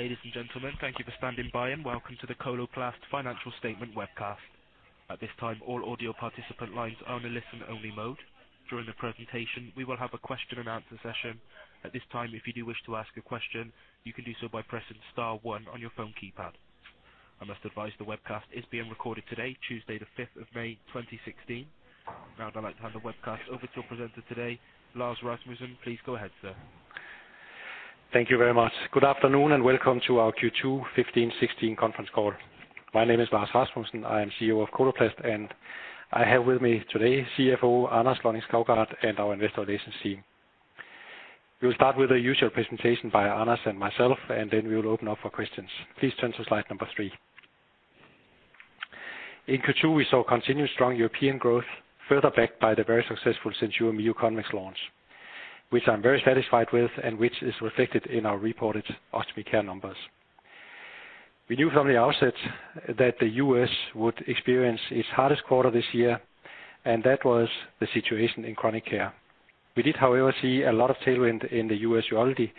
Ladies and gentlemen, thank you for standing by. Welcome to the Coloplast Financial Statement Webcast. At this time, all audio participant lines are on a listen-only mode. During the presentation, we will have a question-and-answer session. At this time, if you do wish to ask a question, you can do so by pressing star one on your phone keypad. I must advise the webcast is being recorded today, Tuesday, the 5th of May 2016. I'd like to hand the webcast over to our presenter today, Lars Rasmussen. Please go ahead, sir. Thank you very much. Good afternoon, and welcome to our Q2 2015-2016 Conference Call. My name is Lars Rasmussen, I am CEO of Coloplast, and I have with me today CFO, Anders Lonning-Skovgaard, and our investor relations team. We will start with the usual presentation by Anders and myself, and then we will open up for questions. Please turn to slide number 3. In Q2, we saw continued strong European growth, further backed by the very successful SenSura Mio Convex launch, which I'm very satisfied with, and which is reflected in our reported Ostomy Care numbers. We knew from the outset that the U.S. would experience its hardest quarter this year, and that was the situation in Chronic Care. We did, however, see a lot of tailwinds in the U.S. Urology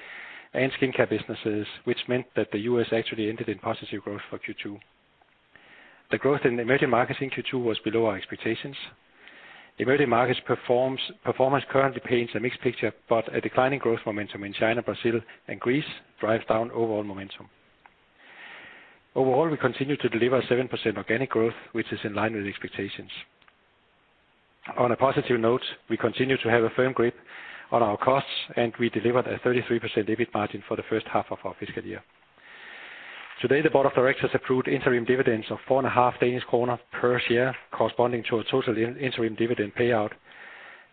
and Skincare businesses, which meant that the U.S. actually ended in positive growth for Q2. The growth in emerging markets in Q2 was below our expectations. Emerging markets performance currently paints a mixed picture, a declining growth momentum in China, Brazil, and Greece drives down overall momentum. Overall, we continue to deliver 7% organic growth, which is in line with expectations. On a positive note, we continue to have a firm grip on our costs. We delivered a 33% EBIT margin for the first half of our fiscal year. Today, the board of directors approved interim dividends of 4 and a half DKK per share, corresponding to a total interim dividend payout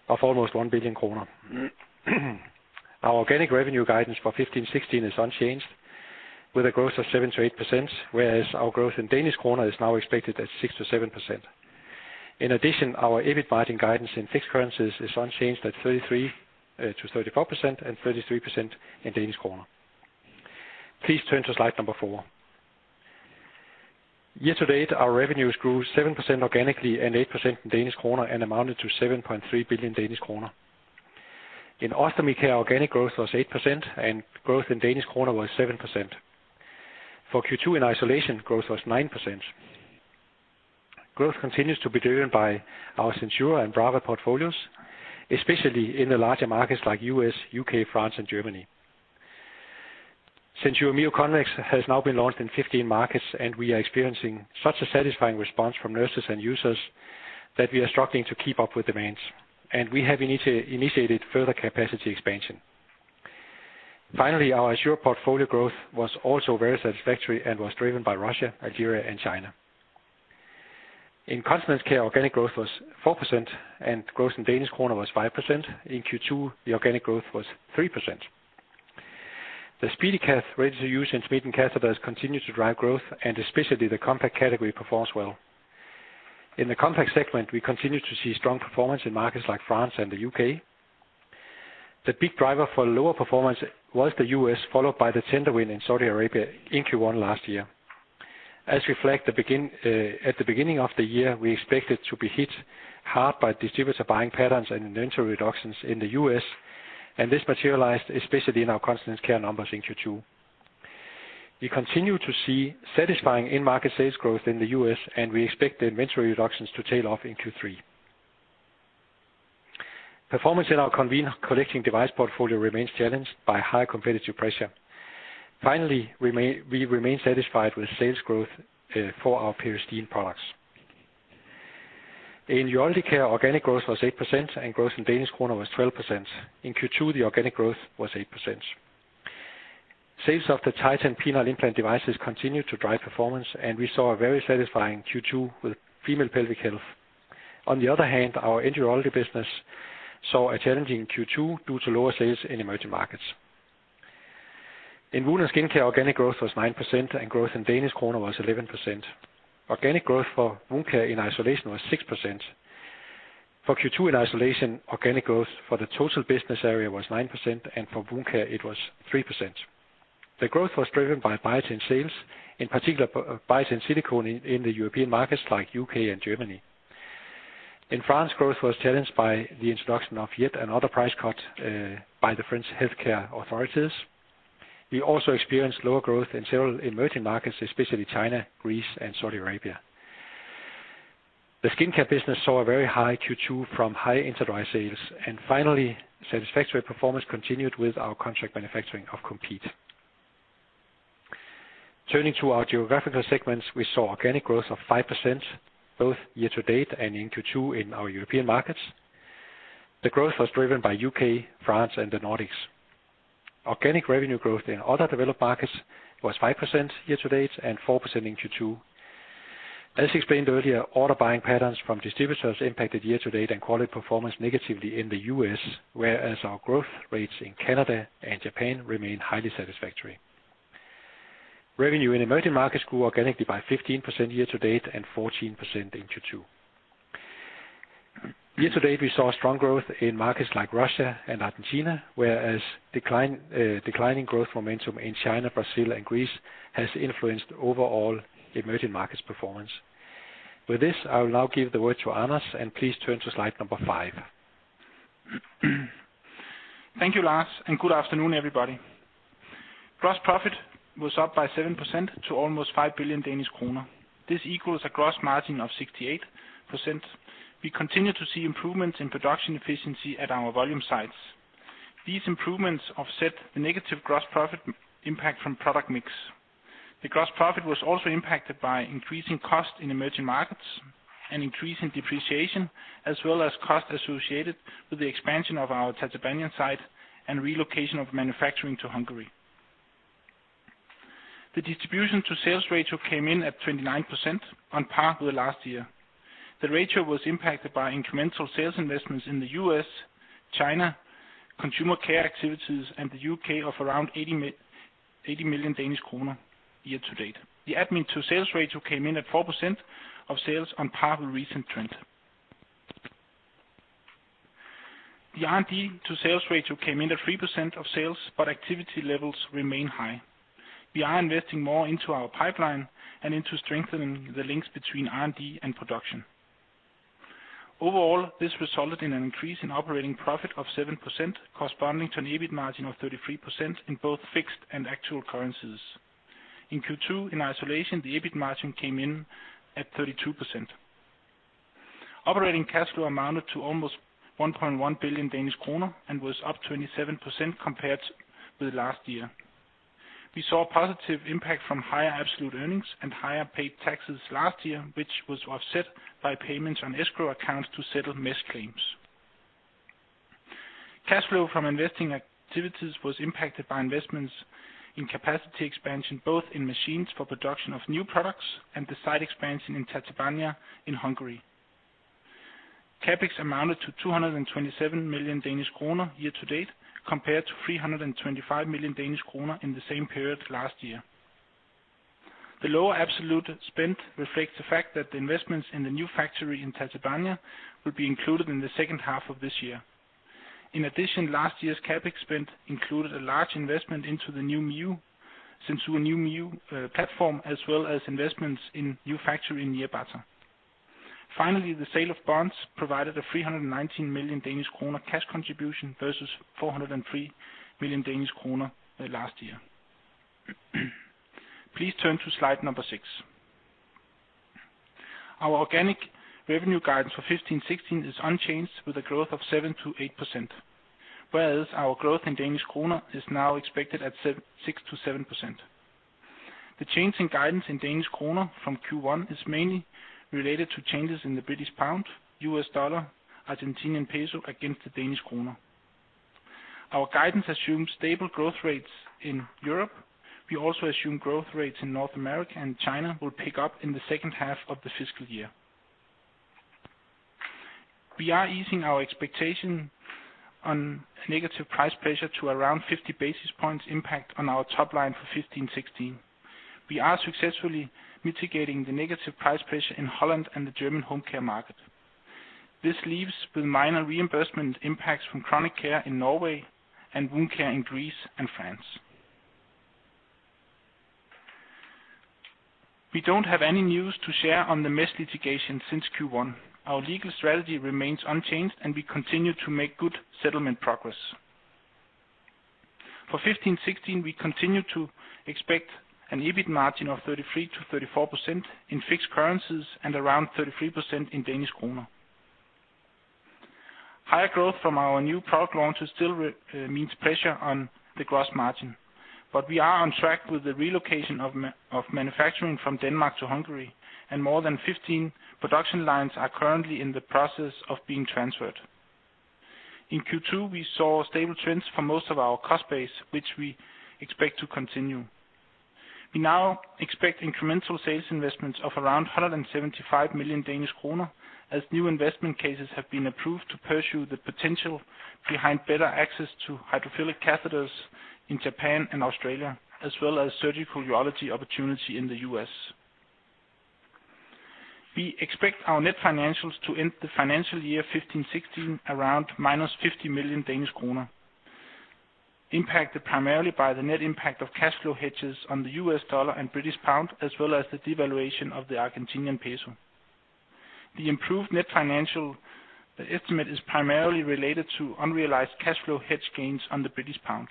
of almost 1 billion kroner. Our organic revenue guidance for 2015-2016 is unchanged, with a growth of 7%-8%. Our growth in DKK is now expected at 6%-7%. In addition, our EBIT margin guidance in fixed currencies is unchanged at 33%-34% and 33% in DKK. Please turn to slide number 4. Year to date, our revenues grew 7% organically and 8% in DKK, and amounted to 7.3 billion Danish kroner. In Ostomy Care, organic growth was 8%, and growth in DKK was 7%. For Q2, in isolation, growth was 9%. Growth continues to be driven by our SenSura and Brava portfolios, especially in the larger markets like U.S., U.K., France, and Germany. SenSura Mio Convex has now been launched in 15 markets, and we are experiencing such a satisfying response from nurses and users, that we are struggling to keep up with demands, and we have initiated further capacity expansion. Finally, our Assura portfolio growth was also very satisfactory and was driven by Russia, Algeria, and China. In Continence Care, organic growth was 4%, and growth in Danish kroner was 5%. In Q2, the organic growth was 3%. The SpeediCath ready-to-use and Sweden catheters continue to drive growth, and especially the compact category performs well. In the compact segment, we continue to see strong performance in markets like France and the U.K. The big driver for lower performance was the U.S., followed by the tender win in Saudi Arabia in Q1 last year. As reflected at the beginning of the year, we expected to be hit hard by distributor buying patterns and inventory reductions in the U.S., and this materialized, especially in our Continence Care numbers in Q2. We continue to see satisfying in-market sales growth in the U.S. We expect the inventory reductions to tail off in Q3. Performance in our collecting device portfolio remains challenged by high competitive pressure. We remain satisfied with sales growth for our Peristeen products. In Urology Care, organic growth was 8%. Growth in DKK was 12%. In Q2, the organic growth was 8%. Sales of the Titan penile implant devices continued to drive performance. We saw a very satisfying Q2 with female pelvic health. Our end urology business saw a challenging Q2 due to lower sales in emerging markets. In Wound & Skin Care, organic growth was 9%. Growth in DKK was 11%. Organic growth for wound care in isolation was 6%. For Q2, in isolation, organic growth for the total business area was 9%, and for Wound Care, it was 3%. The growth was driven by Biatain sales, in particular, Biatain Silicone in the European markets like U.K. and Germany. In France, growth was challenged by the introduction of yet another price cut by the French healthcare authorities. We also experienced lower growth in several emerging markets, especially China, Greece, and Saudi Arabia. The Skin Care business saw a very high Q2 from high InterDry sales. Finally, satisfactory performance continued with our contract manufacturing of Comfeel. Turning to our geographical segments, we saw organic growth of 5% both year-to-date and in Q2 in our European markets. The growth was driven by U.K., France, and the Nordics. Organic revenue growth in other developed markets was 5% year-to-date, and 4% in Q2. As explained earlier, order buying patterns from distributors impacted year-to-date and quality performance negatively in the U.S., whereas our growth rates in Canada and Japan remain highly satisfactory. Revenue in emerging markets grew organically by 15% year-to-date and 14% in Q2. Year-to-date, we saw strong growth in markets like Russia and Argentina, whereas declining growth momentum in China, Brazil, and Greece has influenced overall emerging markets performance. With this, I will now give the word to Anders. Please turn to slide number five. Thank you, Lars, good afternoon, everybody. Gross profit was up by 7% to almost 5 billion Danish kroner. This equals a gross margin of 68%. We continue to see improvements in production efficiency at our volume sites. These improvements offset the negative gross profit impact from product mix. The gross profit was also impacted by increasing costs in emerging markets and increasing depreciation, as well as costs associated with the expansion of our Nyírbátor site and relocation of manufacturing to Hungary. The distribution to sales ratio came in at 29%, on par with last year. The ratio was impacted by incremental sales investments in the U.S., China, Consumer Care activities, and the U.K. of around 80 million Danish kroner year to date. The admin to sales ratio came in at 4% of sales on par with recent trend. The R&D to sales ratio came in at 3% of sales, activity levels remain high. We are investing more into our pipeline and into strengthening the links between R&D and production. Overall, this resulted in an increase in operating profit of 7%, corresponding to an EBIT margin of 33% in both fixed and actual currencies. In Q2, in isolation, the EBIT margin came in at 32%. Operating cash flow amounted to almost 1.1 billion Danish kroner and was up 27% compared with last year. We saw a positive impact from higher absolute earnings and higher paid taxes last year, which was offset by payments on escrow accounts to settle mesh claims. Cash flow from investing activities was impacted by investments in capacity expansion, both in machines for production of new products and the site expansion in Tatabánya in Hungary. CapEx amounted to 227 million Danish kroner year to date, compared to 325 million Danish kroner in the same period last year. The lower absolute spend reflects the fact that the investments in the new factory in Tatabánya will be included in the second half of this year. Last year's CapEx spend included a large investment into the new MIU platform, as well as investments in new factory in Nyírbátor. The sale of bonds provided a 319 million Danish kroner cash contribution versus 403 million Danish kroner last year. Please turn to slide number 6. Our organic revenue guidance for 2015-2016 is unchanged, with a growth of 7%-8%, whereas our growth in Danish kroner is now expected at 6%-7%. The change in guidance in Danish kroner from Q1 is mainly related to changes in the British pound, US dollar, Argentinian peso against the Danish kroner. Our guidance assumes stable growth rates in Europe. We also assume growth rates in North America and China will pick up in the second half of the fiscal year. We are easing our expectation on negative price pressure to around 50 basis points impact on our top line for 2015-2016. We are successfully mitigating the negative price pressure in Holland and the German home care market. This leaves with minor reimbursement impacts from Chronic Care in Norway and Wound Care in Greece and France. We don't have any news to share on the mesh litigation since Q1. Our legal strategy remains unchanged, and we continue to make good settlement progress. For 2015-2016, we continue to expect an EBIT margin of 33%-34% in fixed currencies and around 33% in Danish kroner. Higher growth from our new product launches still means pressure on the gross margin. We are on track with the relocation of manufacturing from Denmark to Hungary, and more than 15 production lines are currently in the process of being transferred. In Q2, we saw stable trends for most of our cost base, which we expect to continue. We now expect incremental sales investments of around 175 million Danish kroner, as new investment cases have been approved to pursue the potential behind better access to hydrophilic catheters in Japan and Australia, as well as surgical urology opportunity in the U.S. We expect our net financials to end the financial year 2015-2016 around -50 million Danish kroner, impacted primarily by the net impact of cash flow hedges on the US dollar and British pound, as well as the devaluation of the Argentinian peso. The improved net financial estimate is primarily related to unrealized cash flow hedge gains on the British pound.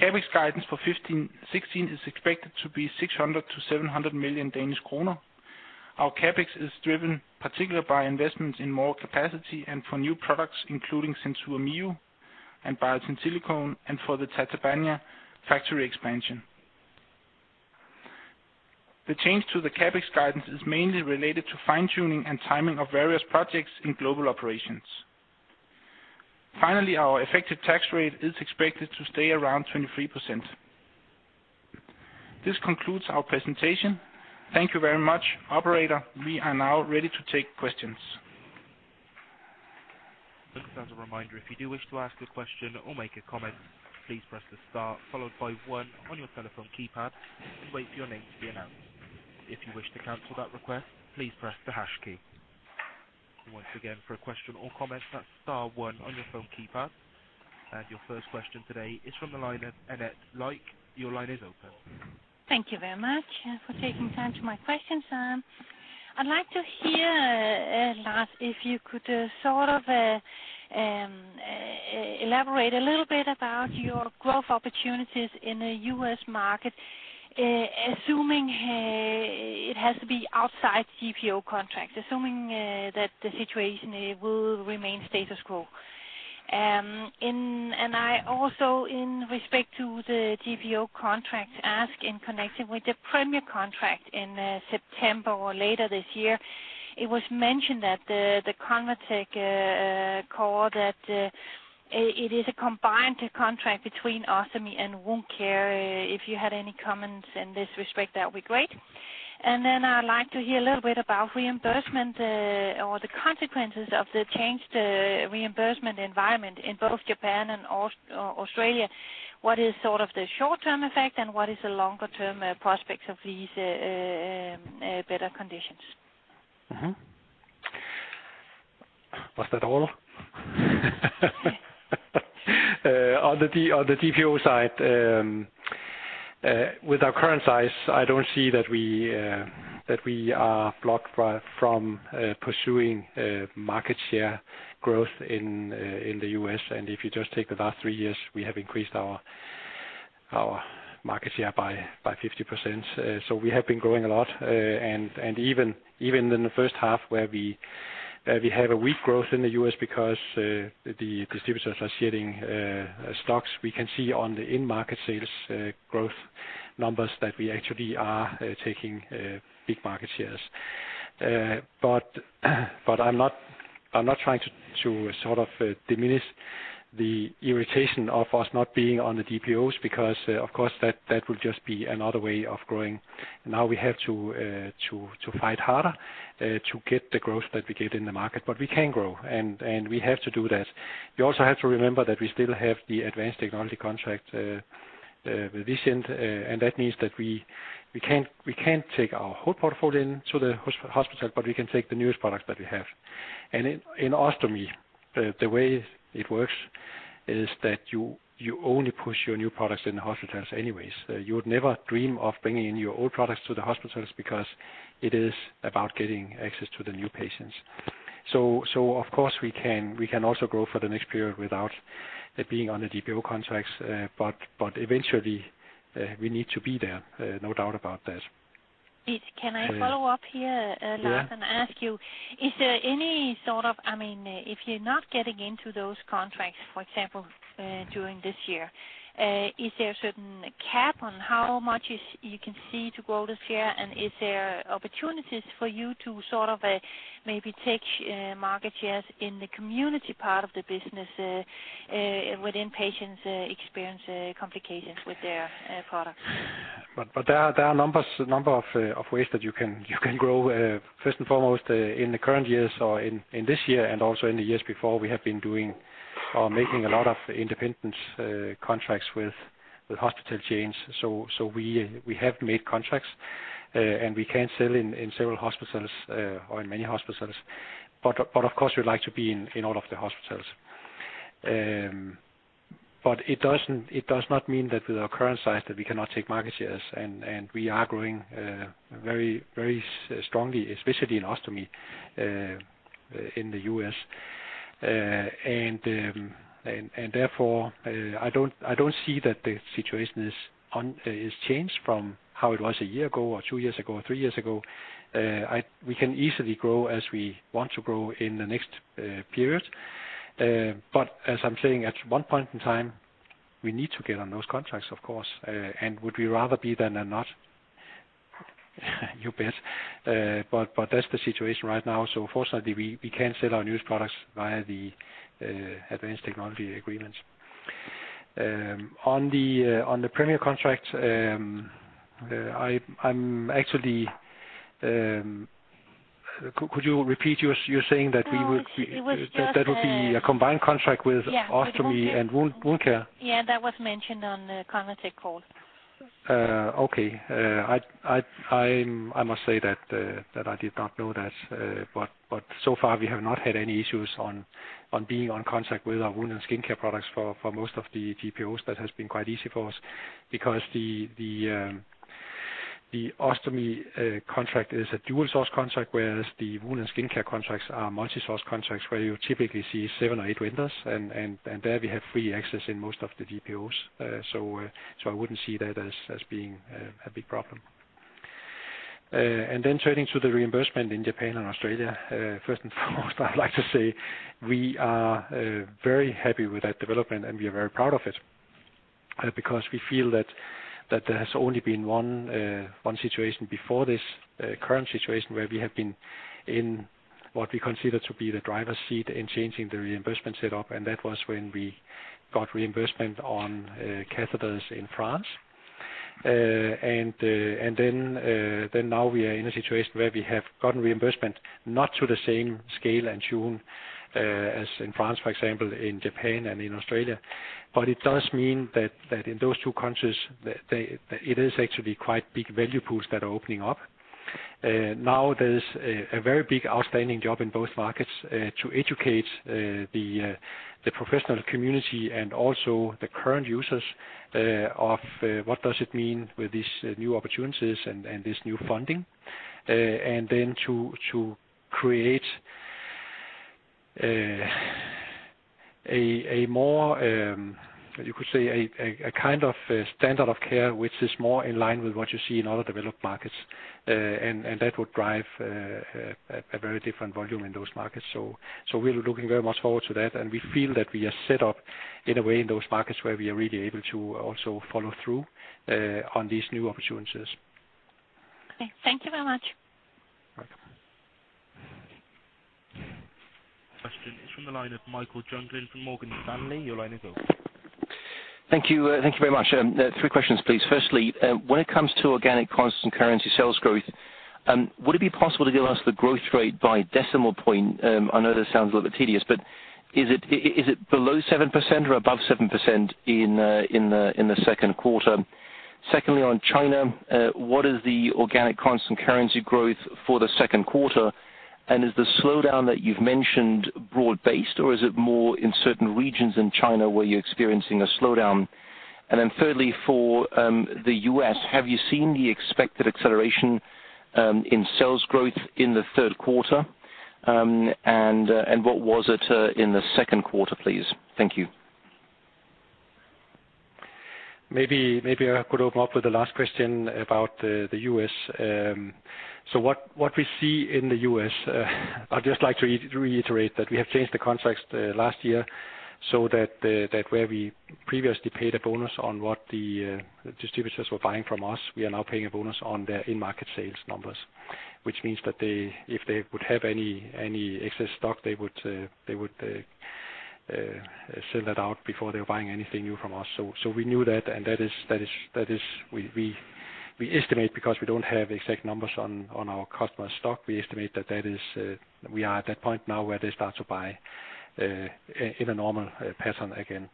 CapEx guidance for 2015-2016 is expected to be 600 million-700 million Danish kroner. Our CapEx is driven particularly by investments in more capacity and for new products, including SenSura Mio and Biatain Silicone, and for the Tatabánya factory expansion. The change to the CapEx guidance is mainly related to fine-tuning and timing of various projects in global operations. Finally, our effective tax rate is expected to stay around 23%. This concludes our presentation. Thank you very much. Operator, we are now ready to take questions. Just as a reminder, if you do wish to ask a question or make a comment, please press the star followed by 1 on your telephone keypad and wait for your name to be announced. If you wish to cancel that request, please press the hash key. Once again, for a question or comment, that's star 1 on your phone keypad. Your first question today is from the line of Annette Lykke. Your line is open. Thank you very much for taking time to my questions. I'd like to hear Lars, if you could sort of elaborate a little bit about your growth opportunities in the U.S. market, assuming it has to be outside GPO contract, assuming that the situation will remain status quo. I also, in respect to the GPO contract, ask in connecting with the Premier contract in September or later this year, it was mentioned that the ConvaTec call that it is a combined contract between Ostomy and Wound Care. If you had any comments in this respect, that would be great. Then I'd like to hear a little bit about reimbursement, or the consequences of the changed reimbursement environment in both Japan and Australia. What is sort of the short-term effect, and what is the longer term prospects of these better conditions? Was that all? On the GPO side, with our current size, I don't see that we are blocked from pursuing market share growth in the US. If you just take the last three years, we have increased our market share by 50%. We have been growing a lot, and even in the first half, where we have a weak growth in the US because the distributors are sharing stocks, we can see on the in-market sales growth numbers that we actually are taking big market shares. But I'm not trying to sort of diminish the irritation of us not being on the GPOs, because, of course, that would just be another way of growing. Now we have to fight harder to get the growth that we get in the market. We can grow, and we have to do that. You also have to remember that we still have the advanced technology contract revision, and that means that we can't take our whole portfolio into the hospital, but we can take the newest products that we have. In Ostomy, the way it works is that you only push your new products in the hospitals anyways. You would never dream of bringing in your old products to the hospitals because it is about getting access to the new patients. Of course we can also grow for the next period without it being on the GPO contracts, but eventually, we need to be there, no doubt about that. Can I follow up here, Lars-? Yeah. Ask you, is there any sort of, I mean, if you're not getting into those contracts, for example, during this year, is there a certain cap on how much you can see to grow the share? Is there opportunities for you to sort of, maybe take market shares in the community part of the business, within patients experience complications with their products? There are numbers, a number of ways that you can grow. First and foremost, in the current years or in this year and also in the years before, we have been doing or making a lot of independent contracts with hospital chains. We have made contracts and we can sell in several hospitals or in many hospitals. Of course, we'd like to be in all of the hospitals. It does not mean that with our current size, that we cannot take market shares, and we are growing very strongly, especially in Ostomy in the U.S. Therefore, I don't, I don't see that the situation is on, is changed from how it was one year ago or 2 years ago, or 3 years ago. We can easily grow as we want to grow in the next period. As I'm saying, at one point in time, we need to get on those contracts, of course. Would we rather be there than not? You bet. That's the situation right now. Fortunately, we can sell our news products via the advanced technology agreements. On the on the Premier contract, I'm actually. Could you repeat you're saying that we would be- No, it was just. that would be a combined contract with- Yeah Ostomy and Wound Care? Yeah, that was mentioned on the ConvaTec call. Okay. I must say that that I did not know that, but so far, we have not had any issues on being on contract with our Wound & Skin Care products for most of the GPOs. That has been quite easy for us because the Ostomy contract is a dual source contract, whereas the Wound & Skin Care contracts are multi-source contracts, where you typically see 7 or 8 vendors, and there we have free access in most of the GPOs. I wouldn't see that as being a big problem. Turning to the reimbursement in Japan and Australia, first and foremost, I'd like to say we are very happy with that development, and we are very proud of it because we feel that there has only been one situation before this current situation, where we have been in what we consider to be the driver's seat in changing the reimbursement setup, and that was when we got reimbursement on catheters in France. Then now we are in a situation where we have gotten reimbursement, not to the same scale and tune as in France, for example, in Japan and in Australia. It does mean that in those two countries, the, it is actually quite big value pools that are opening up. Now there's a very big outstanding job in both markets, to educate the professional community and also the current users, of what does it mean with these new opportunities and this new funding? To create a more, you could say, a kind of standard of care, which is more in line with what you see in other developed markets. That would drive a very different volume in those markets. We're looking very much forward to that, and we feel that we are set up in a way in those markets where we are really able to also follow through on these new opportunities. Okay, thank you very much. Welcome. Question is from the line of Michael Jüngling from Morgan Stanley. Your line is open. Thank you, thank you very much. 3 questions, please. Firstly, when it comes to organic constant currency sales growth, would it be possible to give us the growth rate by decimal point? I know this sounds a little bit tedious, but is it below 7% or above 7% in the second quarter? Secondly, on China, what is the organic constant currency growth for the second quarter? Is the slowdown that you've mentioned broad-based, or is it more in certain regions in China where you're experiencing a slowdown? Thirdly, for the U.S., have you seen the expected acceleration in sales growth in the third quarter? What was it in the second quarter, please? Thank you. Maybe I could open up with the last question about the US. What we see in the US, I'd just like to reiterate that we have changed the context last year, where we previously paid a bonus on what the distributors were buying from us, we are now paying a bonus on their in-market sales numbers. Which means that if they would have any excess stock, they would sell that out before they're buying anything new from us. We knew that, and that is we estimate, because we don't have exact numbers on our customer stock, we estimate that that is we are at that point now where they start to buy in a normal pattern again.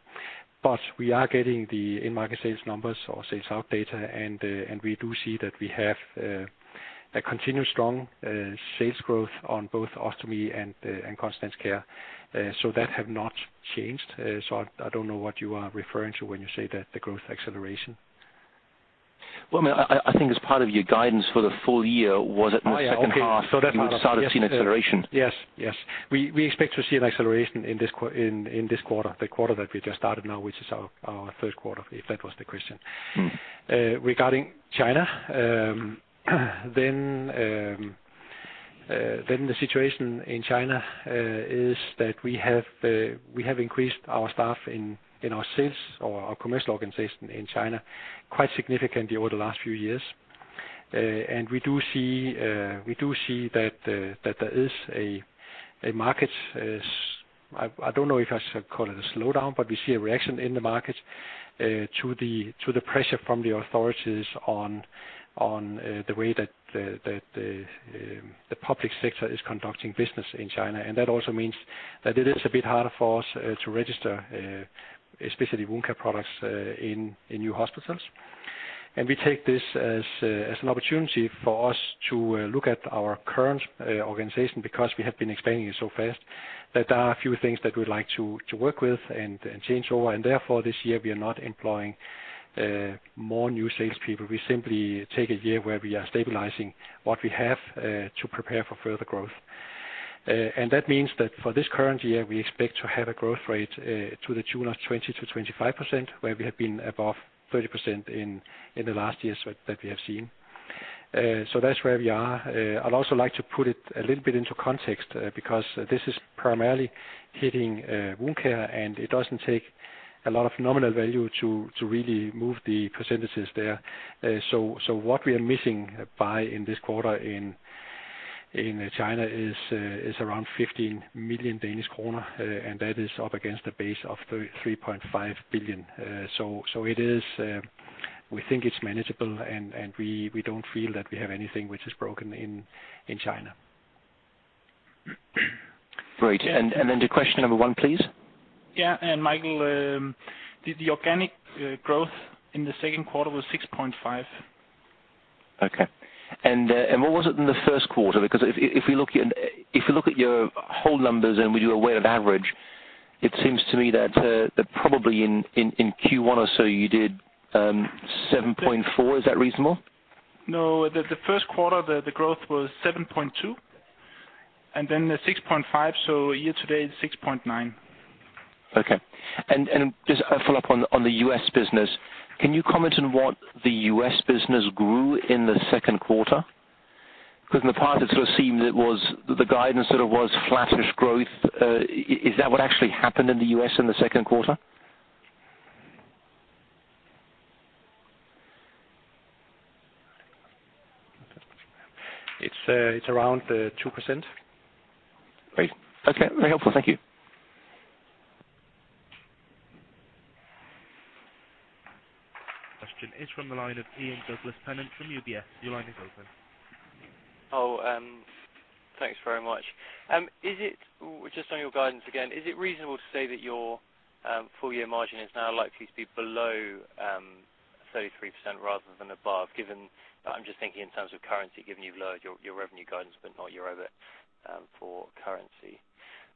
We are getting the in-market sales numbers or sales out data, and we do see that we have a continuous strong sales growth on both Ostomy Care and Continence Care. That have not changed. I don't know what you are referring to when you say that, the growth acceleration. Well, I mean, I think as part of your guidance for the full year. Oh, yeah. Okay. in the second half, you would have started seeing acceleration. Yes, yes. We expect to see an acceleration in this quarter, the quarter that we just started now, which is our third quarter, if that was the question. Mm-hmm. Regarding China, then the situation in China is that we have increased our staff in our sales or our commercial organization in China quite significantly over the last few years. We do see that there is a market, I don't know if I should call it a slowdown, but we see a reaction in the market to the pressure from the authorities on the way that the public sector is conducting business in China. That also means that it is a bit harder for us to register especially wound care products in new hospitals. We take this as an opportunity for us to look at our current organization, because we have been expanding it so fast, that there are a few things that we'd like to work with and change over. Therefore, this year, we are not employing more new salespeople. We simply take a year where we are stabilizing what we have to prepare for further growth. That means that for this current year, we expect to have a growth rate to the tune of 20%-25%, where we have been above 30% in the last years that we have seen. That's where we are. I'd also like to put it a little bit into context because this is primarily hitting wound care. It doesn't take a lot of nominal value to really move the percentages there. What we are missing by in this quarter in China is around 15 million Danish kroner. That is up against a base of 3.5 billion. It is, we think it's manageable, and we don't feel that we have anything which is broken in China. Great. The question number one, please? Yeah, Michael, the organic growth in the second quarter was 6.5. Okay. What was it in the first quarter? If we look in, if you look at your whole numbers and we do a weighted average, it seems to me that probably in Q1 or so, you did, 7.4. Is that reasonable? No, the first quarter, the growth was 7.2%, and then the 6.5%, so year to date, 6.9%. Okay. Just a follow-up on the US business. Can you comment on what the US business grew in the second quarter? Because in the past, it sort of seemed it was the guidance sort of was flattish growth. Is that what actually happened in the US in the second quarter? It's around 2%. Great. Okay, very helpful. Thank you. Question is from the line of Ian Douglas-Pennant from UBS. Your line is open. Thanks very much. Just on your guidance again, is it reasonable to say that your full year margin is now likely to be below 33% rather than above, given, I'm just thinking in terms of currency, given you've lowered your revenue guidance, but not your EBIT for currency?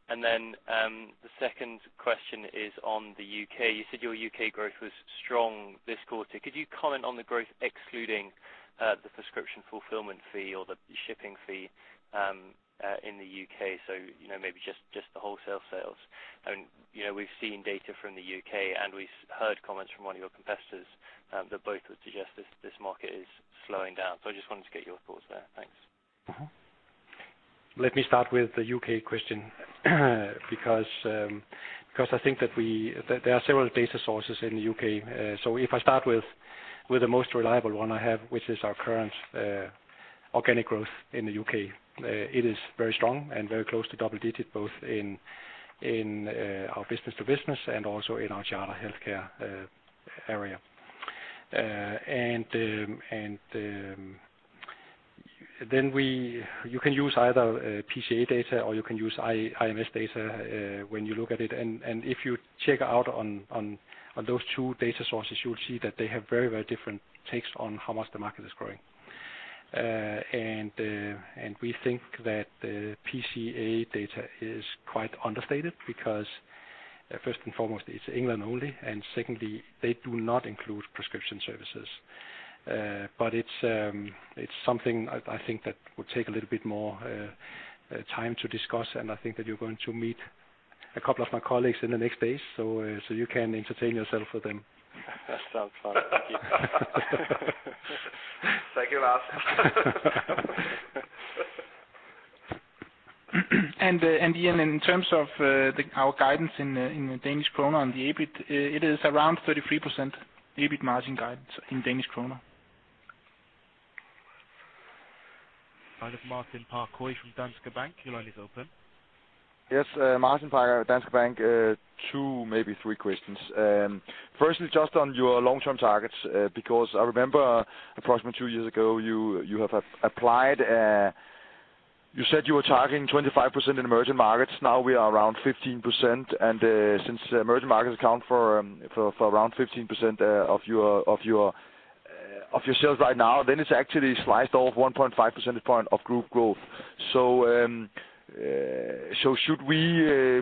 The second question is on the U.K. You said your U.K. growth was strong this quarter. Could you comment on the growth excluding the prescription fulfillment fee or the shipping fee in the U.K., so, you know, maybe just the wholesale sales? You know, we've seen data from the U.K., and we've heard comments from one of your competitors that both would suggest this market is slowing down, so I just wanted to get your thoughts there. Thanks. Let me start with the UK question, because I think that there are several data sources in the UK. If I start with the most reliable one I have, which is our current organic growth in the UK, it is very strong and very close to double digits, both in our business to business and also in our general healthcare area. You can use either PCA data, or you can use IMS data, when you look at it, and if you check out on those two data sources, you will see that they have very, very different takes on how much the market is growing. We think that the PCA data is quite understated because first and foremost, it's England only, and secondly, they do not include prescription services. It's something I think that will take a little bit more time to discuss, and I think that you're going to meet a couple of my colleagues in the next days, so you can entertain yourself with them. That sounds fun. Thank you. Thank you, Lars. Ian, in terms of our guidance in the Danish kroner, on the EBIT, it is around 33% EBIT margin guidance in Danish kroner. I have Martin Parkhøi from Danske Bank. Your line is open. Martin Parkhøi, Danske Bank. 2, maybe 3 questions. firstly, just on your long-term targets, because I remember approximately 2 years ago, you said you were targeting 25% in emerging markets. Now we are around 15%, since emerging markets account for around 15% of your sales right now, then it's actually sliced off 1.5 percentage point of group growth. should we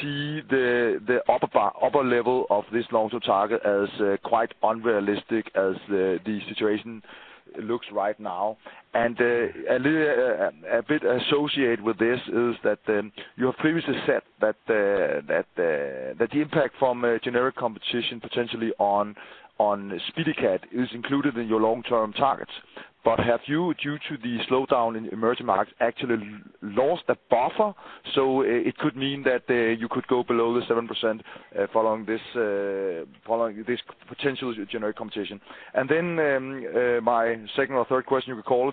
see the upper bar, upper level of this long-term target as quite unrealistic as the situation looks right now? A little bit associated with this is that, you have previously said that the impact from a generic competition potentially on SpeediCath is included in your long-term targets, but have you, due to the slowdown in emerging markets, actually lost a buffer? It could mean that, you could go below the 7%, following this potential generic competition. My second or third question, you recall,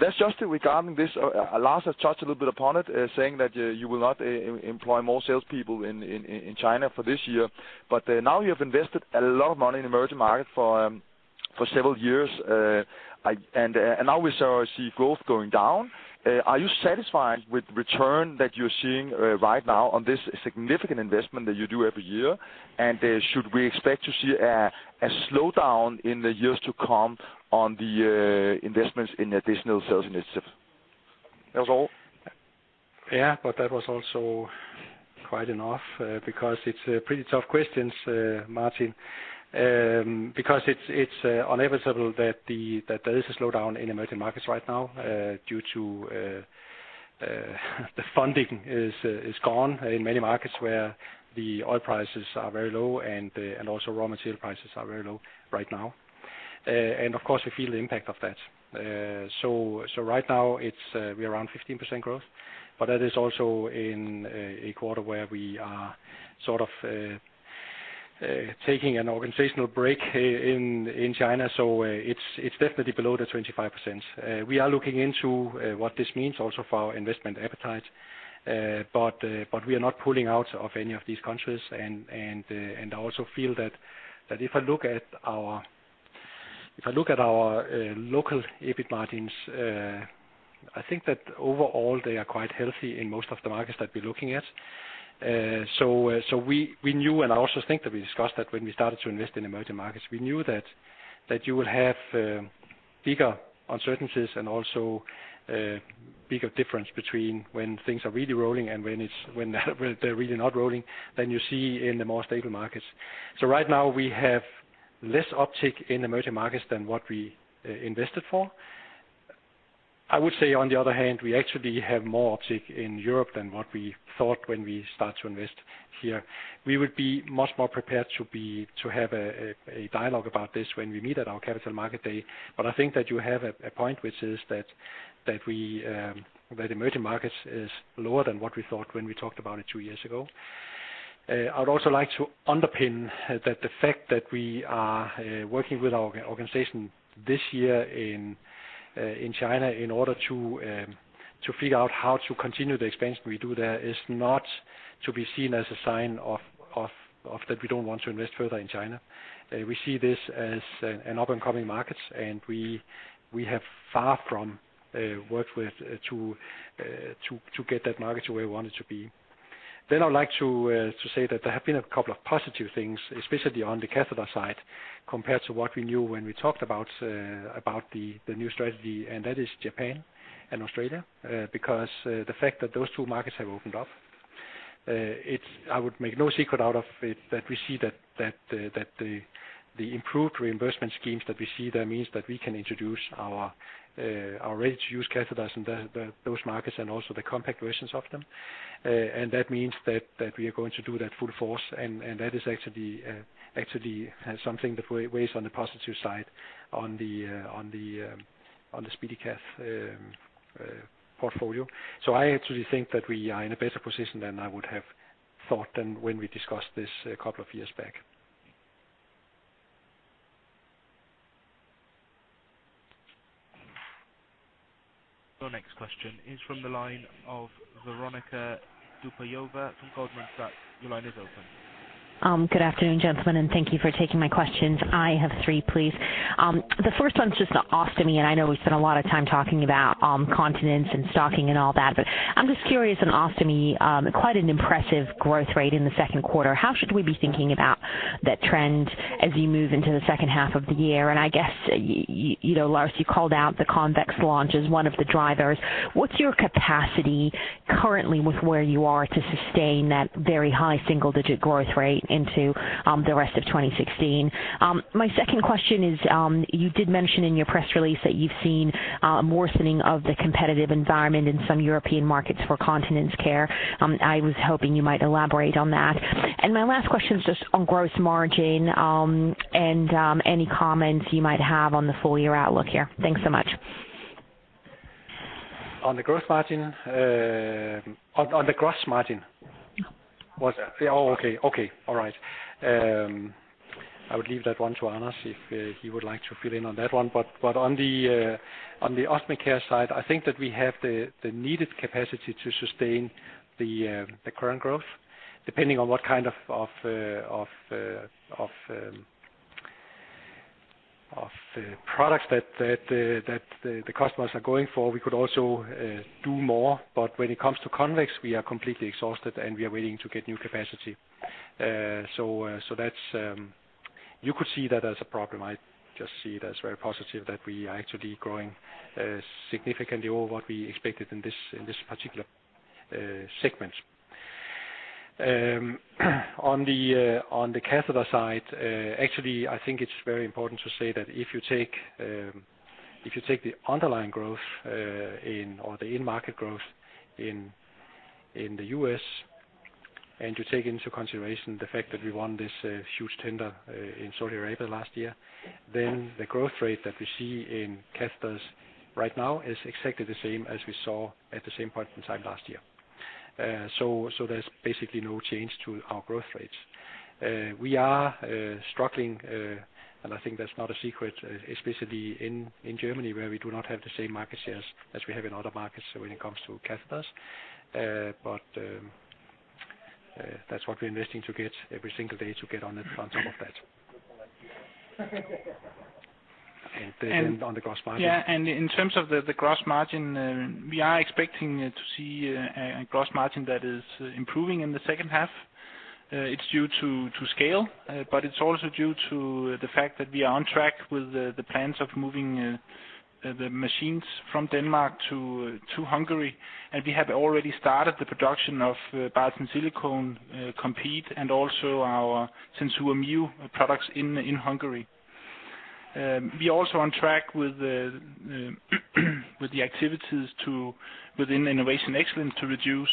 that's just regarding this, Lars has touched a little bit upon it, saying that, you will not employ more salespeople in China for this year. Now you have invested a lot of money in emerging market for several years, and now we sort of see growth going down. Are you satisfied with return that you're seeing right now on this significant investment that you do every year? Should we expect to see a slowdown in the years to come on the investments in additional sales initiatives? That was all. Yeah, that was also quite enough, because it's pretty tough questions, Martin. Because it's inevitable that there is a slowdown in emerging markets right now, due to the funding is gone in many markets where the oil prices are very low and also raw material prices are very low right now. Of course, we feel the impact of that. So right now it's we're around 15% growth, that is also in a quarter where we are sort of taking an organizational break in China. It's definitely below the 25%. We are looking into what this means also for our investment appetite, but we are not pulling out of any of these countries and I also feel that if I look at our local EBIT margins, I think that overall they are quite healthy in most of the markets that we're looking at. We knew, and I also think that we discussed that when we started to invest in emerging markets, we knew that you would have bigger uncertainties and also bigger difference between when things are really rolling and when they're really not rolling, than you see in the more stable markets. Right now, we have less uptick in emerging markets than what we invested for. I would say, on the other hand, we actually have more uptick in Europe than what we thought when we start to invest here. We would be much more prepared to be, to have a dialogue about this when we meet at our Capital Market Day, but I think that you have a point, which is that we, that emerging markets is lower than what we thought when we talked about it two years ago. I would also like to underpin that the fact that we are working with our organization this year in China in order to figure out how to continue the expansion we do there, is not to be seen as a sign of that we don't want to invest further in China. We see this as an up-and-coming markets, and we have far from worked with to get that market to where we want it to be. I'd like to say that there have been a couple of positive things, especially on the catheter side, compared to what we knew when we talked about about the new strategy, and that is Japan and Australia. The fact that those two markets have opened up I would make no secret out of it, that we see that the improved reimbursement schemes that we see there means that we can introduce our ready-to-use catheters in those markets and also the Compact versions of them. That means that we are going to do that full force, and that is actually, something that weighs on the positive side on the on the SpeediCath portfolio. I actually think that we are in a better position than I would have thought than when we discussed this a couple of years back. The next question is from the line of Veronika Dubajova from Goldman Sachs. Your line is open. Good afternoon, gentlemen, thank you for taking my questions. I have three, please. The first one's just on ostomy, I know we've spent a lot of time talking about continence and stocking and all that, but I'm just curious, on ostomy, quite an impressive growth rate in the 2nd quarter. How should we be thinking about that trend as you move into the 2nd half of the year? I guess, you know, Lars, you called out the Convex launch as one of the drivers. What's your capacity currently with where you are to sustain that very high single-digit growth rate into the rest of 2016? My second question is, you did mention in your press release that you've seen a worsening of the competitive environment in some European markets for continence care. I was hoping you might elaborate on that. My last question is just on gross margin, and any comments you might have on the full year outlook here. Thanks so much. On the gross margin, on the gross margin? Yeah. Okay. Okay. All right. I would leave that one to Anders, if he would like to fill in on that one. On the Ostomy Care side, I think that we have the needed capacity to sustain the current growth, depending on what kind of products that the customers are going for. We could also do more, but when it comes to Convex, we are completely exhausted, and we are waiting to get new capacity. So that's, you could see that as a problem. I just see it as very positive that we are actually growing significantly over what we expected in this particular segment. On the catheter side, actually, I think it's very important to say that if you take, if you take the underlying growth in or the in-market growth in the U.S., and you take into consideration the fact that we won this huge tender in Saudi Arabia last year, then the growth rate that we see in catheters right now is exactly the same as we saw at the same point in time last year. So there's basically no change to our growth rates. We are struggling, and I think that's not a secret, especially in Germany, where we do not have the same market shares as we have in other markets when it comes to catheters. that's what we're investing to get every single day to get on top of that. on the gross margin. In terms of the gross margin, we are expecting to see a gross margin that is improving in the second half. It's due to scale, it's also due to the fact that we are on track with the plans of moving the machines from Denmark to Hungary, we have already started the production of Bard's silicone, Comfeel, and also our SenSura Mio products in Hungary. We're also on track with the activities within Innovation Excellence to reduce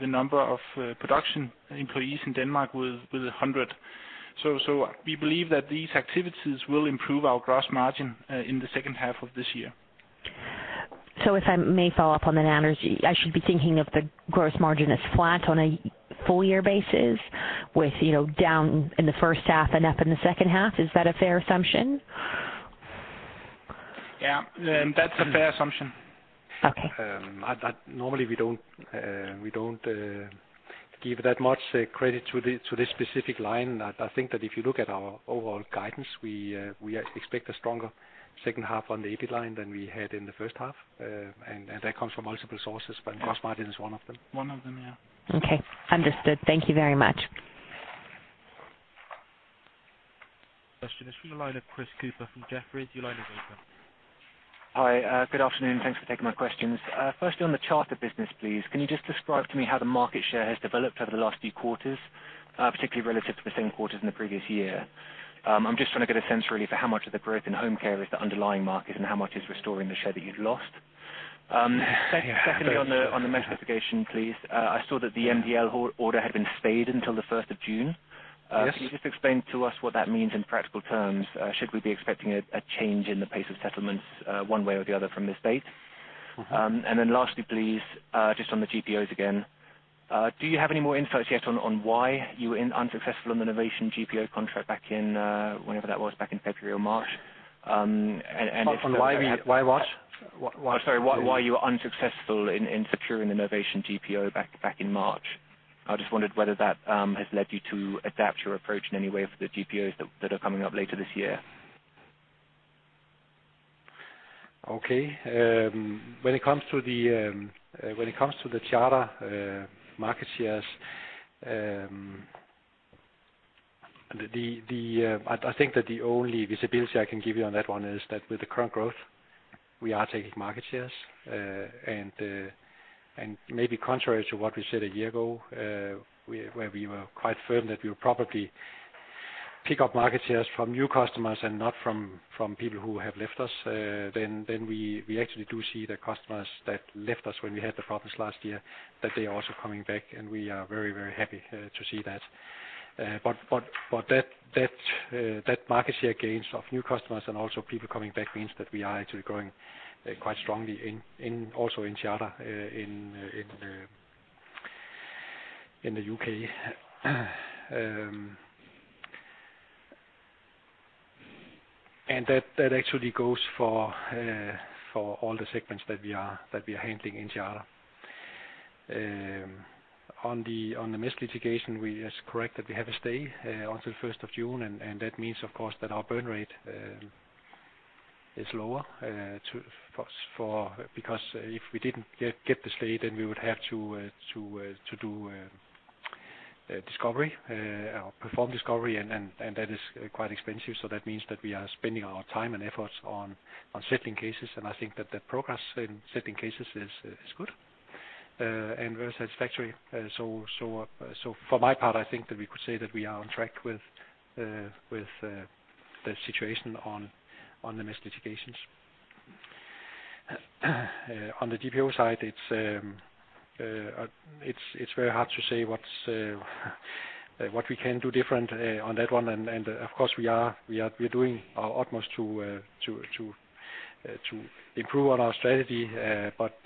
the number of production employees in Denmark with 100. We believe that these activities will improve our gross margin in the second half of this year. If I may follow up on that, Anders, I should be thinking of the gross margin as flat on a full year basis with, you know, down in the first half and up in the second half? Is that a fair assumption? That's a fair assumption. Okay. Normally we don't give that much credit to the to this specific line. I think that if you look at our overall guidance, we expect a stronger second half on the AB line than we had in the first half. That comes from multiple sources, but gross margin is one of them. One of them, yeah. Okay, understood. Thank you very much. Question is from the line of Chris Cooper from Jefferies. Your line is open. Hi, good afternoon. Thanks for taking my questions. Firstly, on the charter business, please, can you just describe to me how the market share has developed over the last few quarters, particularly relative to the same quarters in the previous year? I'm just trying to get a sense really for how much of the growth in home care is the underlying market and how much is restoring the share that you'd lost. Yeah. Secondly, on the notification, please, I saw that the MDL order had been stayed until the first of June. Yes. Can you just explain to us what that means in practical terms? Should we be expecting a change in the pace of settlements, one way or the other from this date? Mm-hmm. Then lastly, please, just on the GPOs again, do you have any more insights yet on why you were unsuccessful on the Novation GPO contract back in, whenever that was, back in February or March? On why we, why what? Oh, sorry, why you were unsuccessful in securing the Novation GPO back in March? I just wondered whether that has led you to adapt your approach in any way for the GPOs that are coming up later this year. Okay, when it comes to the, when it comes to the charter market shares, I think that the only visibility I can give you on that one is that with the current growth, we are taking market shares. Maybe contrary to what we said a year ago, where we were quite firm that we would probably pick up market shares from new customers and not from people who have left us, then we actually do see the customers that left us when we had the problems last year, that they are also coming back, and we are very, very happy to see that. That market share gains of new customers and also people coming back means that we are actually growing quite strongly in also in charter in the U.K. That actually goes for all the segments that we are handling in charter. On the mesh litigation, it's correct that we have a stay until the first of June. That means, of course, that our burn rate is lower because if we didn't get the stay, then we would have to do discovery or perform discovery, and that is quite expensive. That means that we are spending our time and efforts on settling cases, and I think that the progress in settling cases is good and very satisfactory. For my part, I think that we could say that we are on track with the situation on the mesh litigations. On the DPO side, it's very hard to say what we can do different on that one. Of course, we are doing our utmost to improve on our strategy. But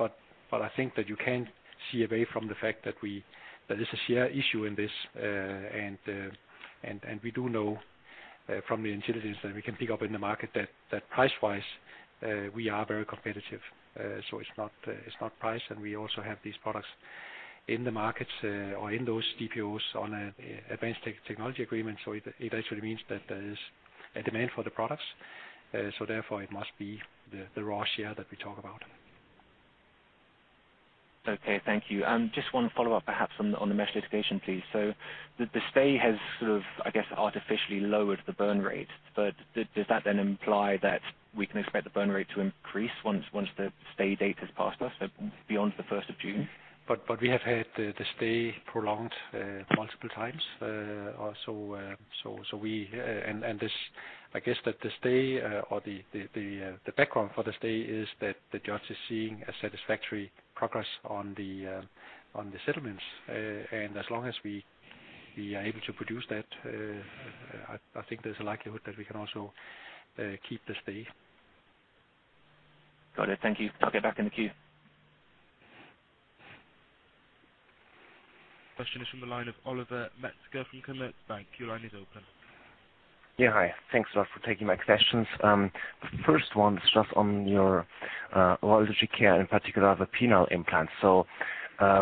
I think that you can't see away from the fact that there's a share issue in this. We do know from the intelligence that we can pick up in the market that price-wise, we are very competitive. It's not, it's not price, and we also have these products in the markets, or in those DPOs on a advanced technology agreement. It actually means that there is a demand for the products, therefore it must be the raw share that we talk about. Okay, thank you. Just one follow-up, perhaps on the, on the mesh litigation, please. The stay has sort of, I guess, artificially lowered the burn rate, does that then imply that we can expect the burn rate to increase once the stay date has passed us, beyond the first of June? We have had the stay prolonged multiple times. This, I guess that the stay, or the background for the stay is that the judge is seeing a satisfactory progress on the settlements. As long as we are able to produce that, I think there's a likelihood that we can also keep the stay. Got it. Thank you. I'll get back in the queue. Question is from the line of Oliver Metzger from Commerzbank. Your line is open. Yeah, hi. Thanks a lot for taking my questions. First one is just on your Urology Care, in particular, the penile implant.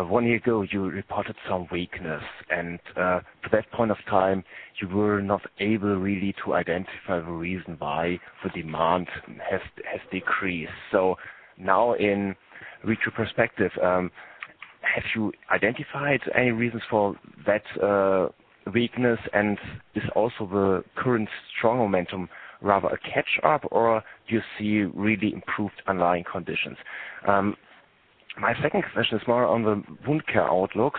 One year ago, you reported some weakness, and for that point of time, you were not able really to identify the reason why the demand has decreased. Now in retrospective, have you identified any reasons for that weakness? Is also the current strong momentum, rather a catch up, or do you see really improved underlying conditions? My second question is more on the Wound Care outlook.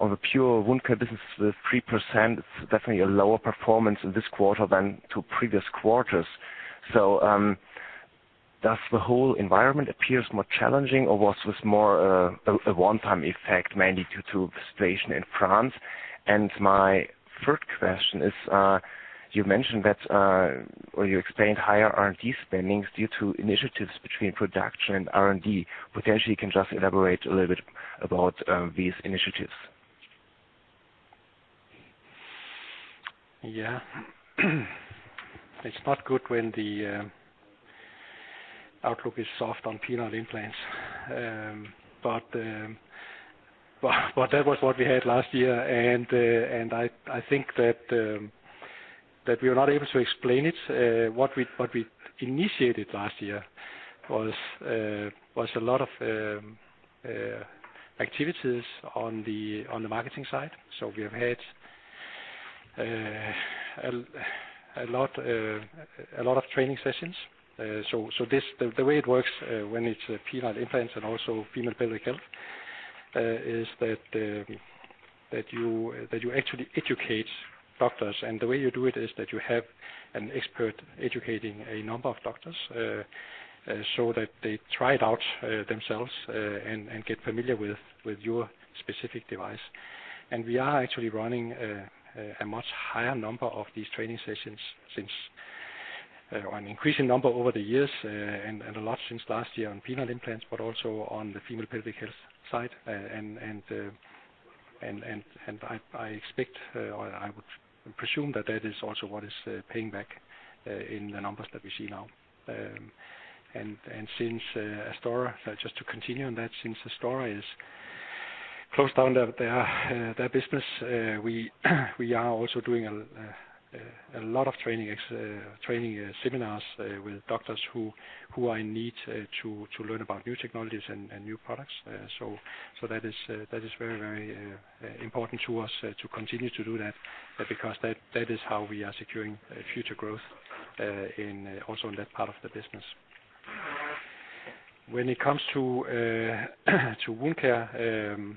On the pure Wound Care business, with 3%, it's definitely a lower performance in this quarter than to previous quarters. Does the whole environment appears more challenging, or was this more a one-time effect, mainly due to the situation in France? My third question is, you mentioned that, or you explained higher R&D spendings due to initiatives between production and R&D. Potentially, you can just elaborate a little bit about these initiatives. Yeah. It's not good when the outlook is soft on penile implants. That was what we had last year, and I think that we are not able to explain it. What we, what we initiated last year was a lot of activities on the marketing side. We have had a lot of training sessions. This, the way it works, when it's penile implants and also female pelvic health, is that you, that you actually educate doctors. The way you do it is that you have an expert educating a number of doctors, so that they try it out themselves, and get familiar with your specific device. We are actually running a much higher number of these training sessions since an increasing number over the years, and a lot since last year on penile implants, but also on the female pelvic health side. I expect, or I would presume that that is also what is paying back in the numbers that we see now. Since Astora, just to continue on that, since Astora closed down their business. We are also doing a lot of training seminars with doctors who are in need to learn about new technologies and new products. That is very, very important to us to continue to do that, because that is how we are securing future growth in also in that part of the business. When it comes to Wound Care,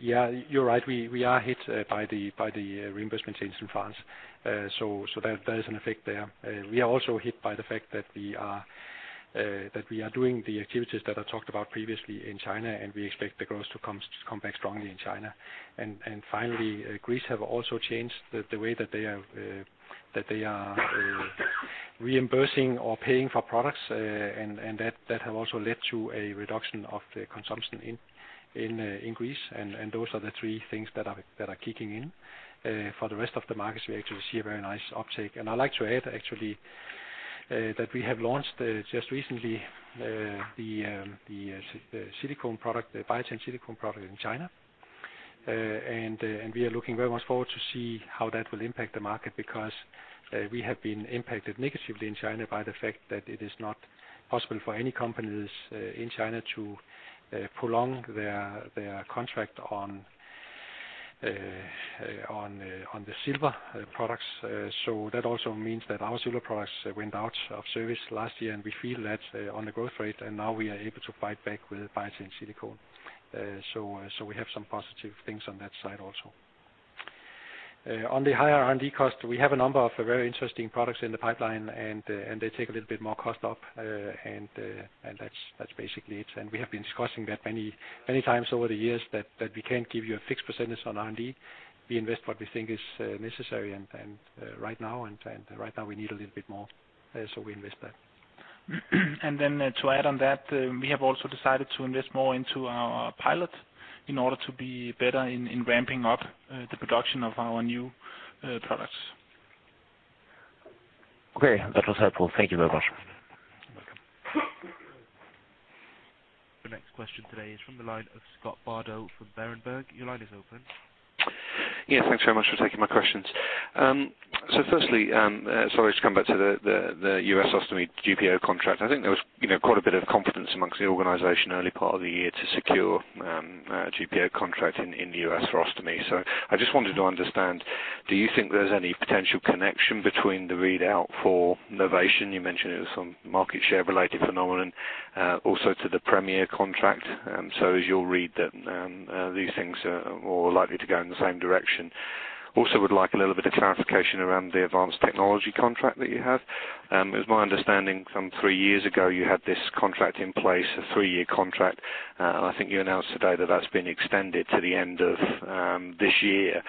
yeah, you're right, we are hit by the reimbursement change in France. There is an effect there. We are also hit by the fact that we are doing the activities that I talked about previously in China, we expect the growth to come back strongly in China. Finally, Greece have also changed the way that they are reimbursing or paying for products, and that have also led to a reduction of the consumption in Greece. Those are the three things that are kicking in. For the rest of the markets, we actually see a very nice uptake. I'd like to add, actually, that we have launched just recently the silicone product, the Biatain silicone product in China. We are looking very much forward to see how that will impact the market, because we have been impacted negatively in China by the fact that it is not possible for any companies in China to prolong their contract on the silver products. That also means that our silver products went out of service last year, and we feel that on the growth rate, and now we are able to fight back with Biatain Silicone. We have some positive things on that side also. On the higher R&D cost, we have a number of very interesting products in the pipeline, and they take a little bit more cost up, and that's basically it. We have been discussing that many times over the years, that we can't give you a fixed percentage on R&D. We invest what we think is necessary, and right now we need a little bit more, so we invest that. To add on that, we have also decided to invest more into our pilot in order to be better in ramping up the production of our new products. Okay, that was helpful. Thank you very much. You're welcome. The next question today is from the line of Scott Bardo from Berenberg. Your line is open. Yes, thanks very much for taking my questions. Firstly, sorry, just come back to the U.S. Ostomy GPO contract. I think there was, you know, quite a bit of confidence amongst the organization, early part of the year, to secure a GPO contract in the U.S. for Ostomy. I just wanted to understand, do you think there's any potential connection between the readout for Novation? You mentioned it was some market share related phenomenon, also to the Premier contract. Is your read that these things are more likely to go in the same direction? Also, would like a little bit of clarification around the advanced technology contract that you have. It was my understanding from 3 years ago, you had this contract in place, a 3-year contract, and I think you announced today that that's been extended to the end of this year.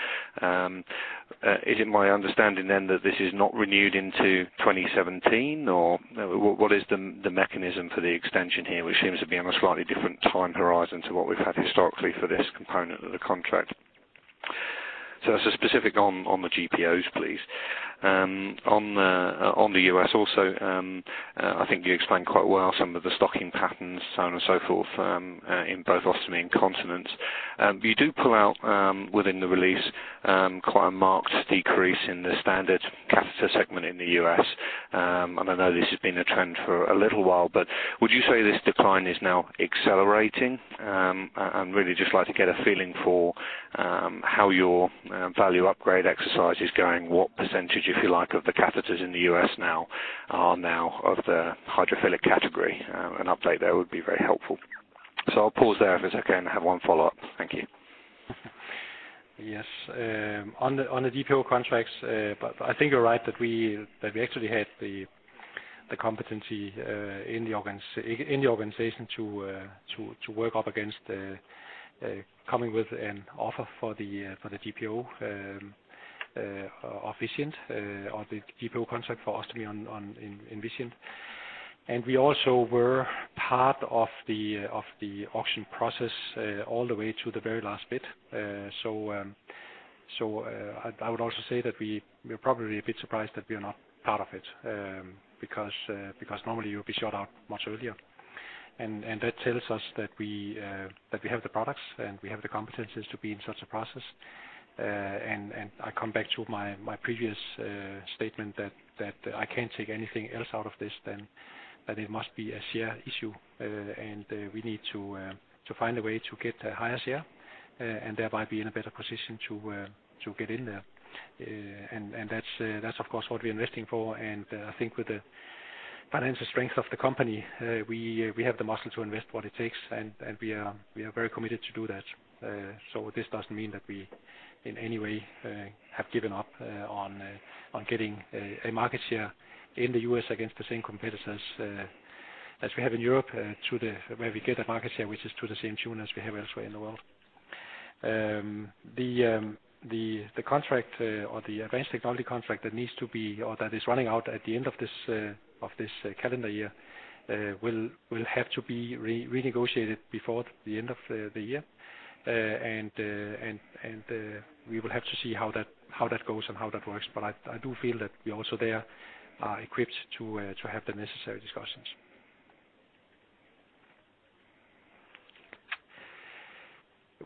Is it my understanding then, that this is not renewed into 2017? Or what is the mechanism for the extension here, which seems to be on a slightly different time horizon to what we've had historically for this component of the contract? That's a specific on the GPOs, please. On the U.S. also, I think you explained quite well some of the stocking patterns, so on and so forth, in both Ostomy and Continence. You do pull out within the release, quite a marked decrease in the standard catheter segment in the U.S. I know this has been a trend for a little while, but would you say this decline is now accelerating? Really just like to get a feeling for, how your value upgrade exercise is going, what %, if you like, of the catheters in the U.S. now are now of the hydrophilic category? An update there would be very helpful. I'll pause there for a second and have one follow-up. Thank you. Yes, on the GPO contracts, I think you're right that we actually had the competency in the organization to work up against the coming with an offer for the GPO efficient or the GPO contract for us to be on in vision. We also were part of the auction process all the way to the very last bit. I would also say that we're probably a bit surprised that we are not part of it. Because normally you'll be shut out much earlier. That tells us that we have the products, and we have the competencies to be in such a process. I come back to my previous statement that I can't take anything else out of this, than that it must be a share issue, and we need to find a way to get a higher share, and thereby be in a better position to get in there. That's, of course, what we're investing for. I think with the financial strength of the company, we have the muscle to invest what it takes, and we are very committed to do that. This doesn't mean that we, in any way, have given up on getting a market share in the U.S. against the same competitors as we have in Europe, where we get a market share, which is to the same tune as we have elsewhere in the world. The contract or the advanced technology contract that needs to be, or that is running out at the end of this calendar year, will have to be renegotiated before the end of the year. We will have to see how that goes and how that works. But I do feel that we also there are equipped to have the necessary discussions.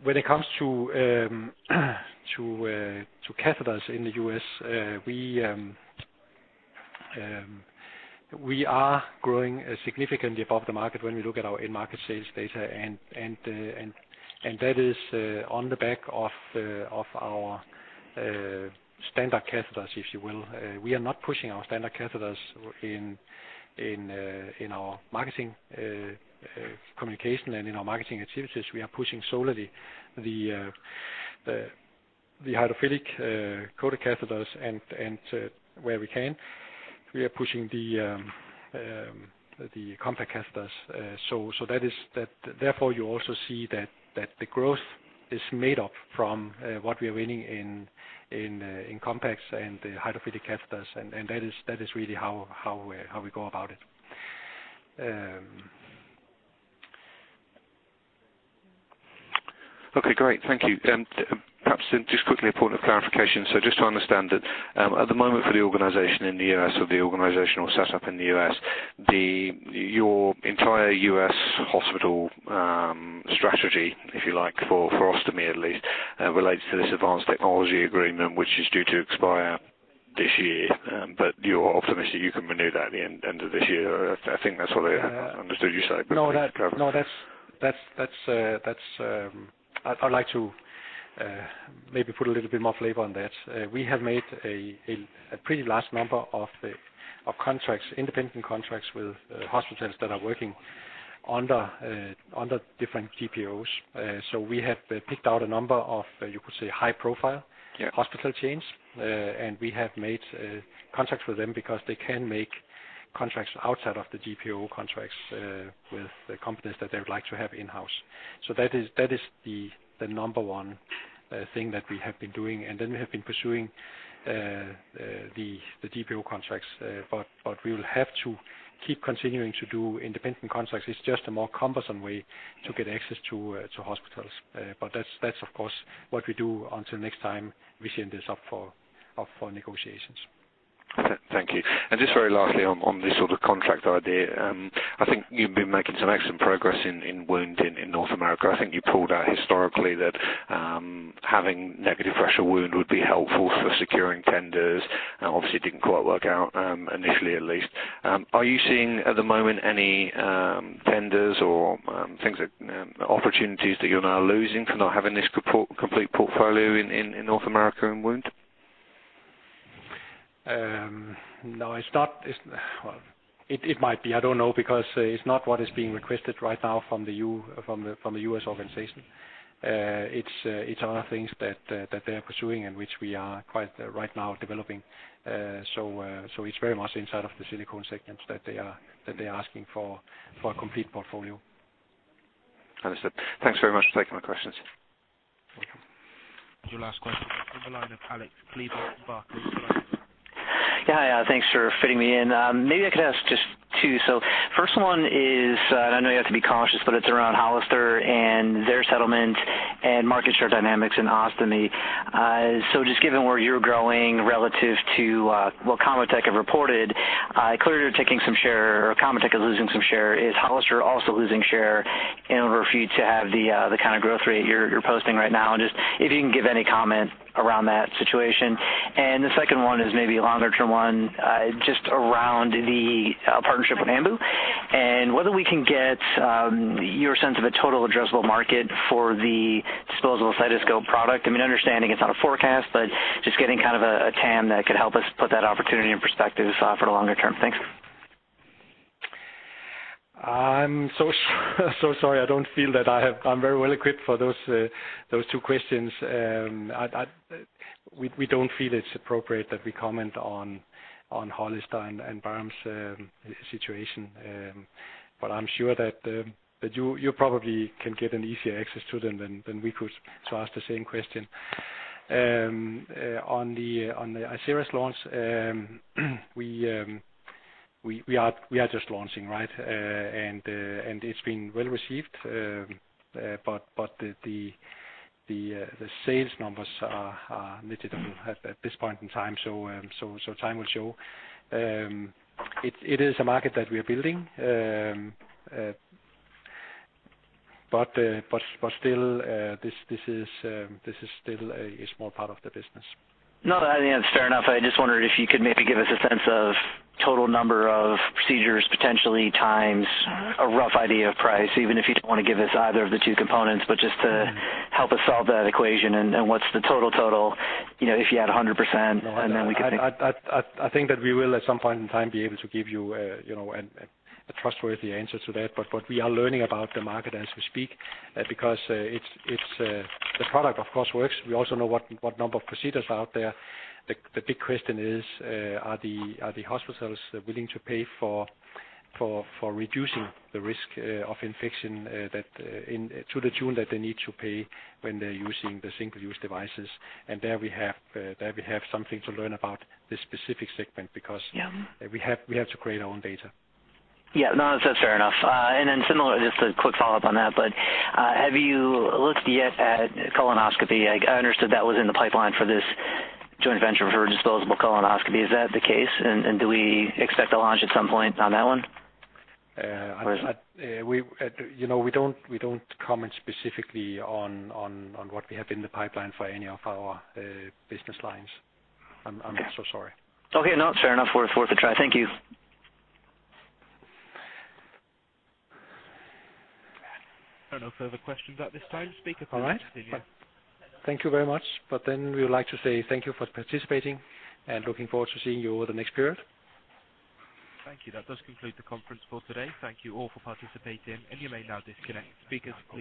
When it comes to catheters in the U.S., we are growing significantly above the market when we look at our end market sales data and that is on the back of our standard catheters, if you will. We are not pushing our standard catheters in our marketing communication and in our marketing activities. We are pushing solely the hydrophilic coated catheters and where we can, we are pushing the compact catheters. Therefore, you also see that the growth is made up from what we are winning in compacts and the hydrophilic catheters, and that is really how we go about it. Okay, great. Thank you. Perhaps just quickly, a point of clarification. Just to understand that, at the moment for the organization in the U.S. or the organizational setup in the U.S., your entire U.S. hospital strategy, if you like, for ostomy at least, relates to this advanced technology agreement, which is due to expire this year. You're optimistic you can renew that at the end of this year. I think that's what I understood you say. No, that-. Please confirm. No, that's. I'd like to maybe put a little bit more flavor on that. We have made a pretty large number of contracts, independent contracts, with hospitals that are working under different GPOs. We have picked out a number of, you could say, high-profile- Yeah... hospital chains. We have made contracts with them because they can make contracts outside of the GPO contracts with the companies that they would like to have in-house. That is the number one thing that we have been doing, and then we have been pursuing the GPO contracts. We will have to keep continuing to do independent contracts. It's just a more cumbersome way to get access to hospitals. That's of course, what we do until next time we send this up for negotiations. Thank you. Just very lastly on this sort of contract idea, I think you've been making some excellent progress in wound in North America. I think you pulled out historically that, having negative pressure wound would be helpful for securing tenders, and obviously didn't quite work out, initially at least. Are you seeing, at the moment, any, tenders or, things that, opportunities that you're now losing for not having this complete portfolio in, in North America in wound? No, it's not. It's, well, it might be, I don't know, because it's not what is being requested right now from the U.S. organization. It's, it's other things that they're pursuing and which we are quite right now developing. It's very much inside of the silicone segments that they are asking for a complete portfolio. Understood. Thanks very much for taking my questions. Welcome. Your last question on the line with Alexander Döhler, Barclays. Hi, thanks for fitting me in. Maybe I could ask just two. First one is, and I know you have to be cautious, but it's around Hollister and their settlement and market share dynamics in ostomy. Just given where you're growing relative to what ConvaTec have reported, clearly you're taking some share, or ConvaTec is losing some share. Is Hollister also losing share in order for you to have the kind of growth rate you're posting right now? Just if you can give any comment around that situation. The second one is maybe a longer-term one, just around the partnership with Ambu, and whether we can get your sense of a total addressable market for the disposable cystoscope product. I mean, understanding it's not a forecast, but just getting kind of a TAM that could help us put that opportunity in perspective, for the longer term. Thanks. I'm so sorry. I don't feel that I'm very well equipped for those 2 questions. We don't feel it's appropriate that we comment on Hollister and Bard's situation. I'm sure that you probably can get an easier access to them than we could to ask the same question. On the Isiris launch, we are just launching, right? It's been well received, but the sales numbers are negligible at this point in time, so time will show. It is a market that we are building, but still, this is still a small part of the business. No, I think that's fair enough. I just wondered if you could maybe give us a sense of total number of procedures, potentially times a rough idea of price, even if you don't want to give us either of the two components, but just to help us solve that equation. What's the total, you know, if you had 100%, and then we could think- I think that we will, at some point in time, be able to give you a, you know, a trustworthy answer to that. We are learning about the market as we speak, because it's the product of course works. We also know what number of procedures are out there. The big question is, are the hospitals willing to pay for reducing the risk of infection that to the tune that they need to pay when they're using the single-use devices? There we have something to learn about this specific segment, because. Yeah we have to create our own data. Yeah. No, that's fair enough. Then similarly, just a quick follow-up on that, have you looked yet at colonoscopy? I understood that was in the pipeline for this joint venture for disposable colonoscopy. Is that the case, and do we expect a launch at some point on that one? We, you know, we don't comment specifically on what we have in the pipeline for any of our business lines. I'm so sorry. Okay, no, fair enough. Worth a try. Thank you. There are no further questions at this time. All right. Please continue. Thank you very much. We would like to say thank you for participating, and looking forward to seeing you over the next period. Thank you. That does conclude the conference call today. Thank you all for participating, and you may now disconnect. Speakers-